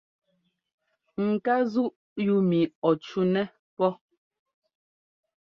Ŋ ká zúʼ yúu mi ɔ cúnɛ pɔ́.